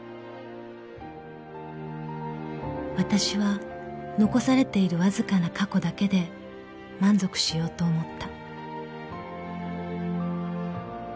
［わたしは残されているわずかな過去だけで満足しようと思った］